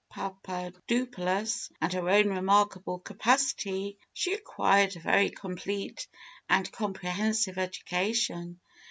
Papadopoulos, and her own remarkable capacity, she acquired a very complete and comprehensive education.